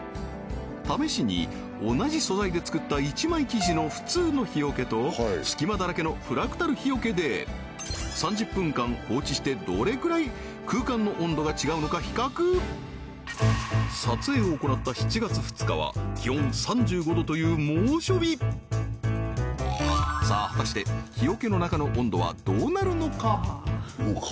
試しに同じ素材で作った一枚生地の普通の日よけと隙間だらけのフラクタル日よけで３０分間放置してどれぐらい空間の温度が違うのか比較撮影を行った７月２日は気温３５度という猛暑日さあ果たして日よけの中の温度はどうなるのか？